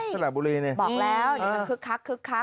บอกแล้วอยู่ทั้งคึกคัก